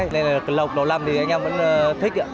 nên là lộc đầu lâm thì anh em vẫn thích